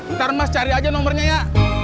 ntar mas cari aja nomornya ya